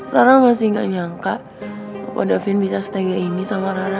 rara masih gak nyangka opa davin bisa setegah ini sama rara